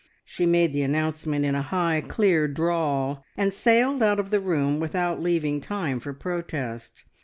She made the announcement in a high, clear drawl and sailed out of the room without leaving time for protest.